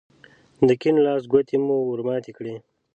د کيڼ لاس ګوتې مو ور ماتې کړې.